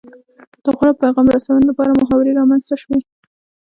د غوره پیغام رسونې لپاره محاورې رامنځته شوې